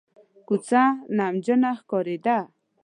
کوڅه نمجنه ښکارېده.